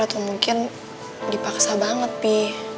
atau mungkin dipaksa banget sih